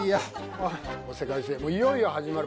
世界水泳いよいよ始まる。